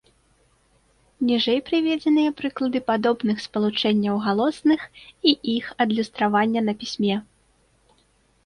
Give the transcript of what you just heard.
Ніжэй прыведзеныя прыклады падобных спалучэнняў галосных і іх адлюстравання на пісьме.